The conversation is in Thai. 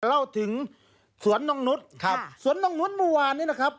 เล่าถึงสวนน้องนุษย์ครับสวนนกนุษย์เมื่อวานนี้นะครับ